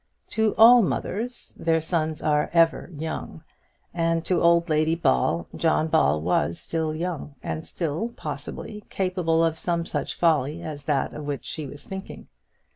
To all mothers their sons are ever young, and to old Lady Ball John Ball was still young, and still, possibly, capable of some such folly as that of which she was thinking.